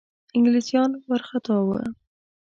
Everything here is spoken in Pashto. انګلیسیان وارخطا وه.